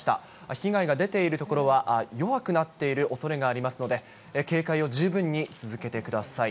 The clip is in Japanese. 被害が出ている所は弱くなっているおそれがありますので、警戒を十分に続けてください。